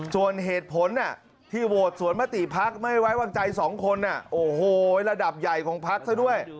ส่วนเหตุผลที่โหวตสวนมติพักไม่ไว้วางใจสองคนโอ้โหระดับใหญ่ของพักซะด้วย